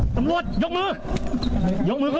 ค้าวเจียง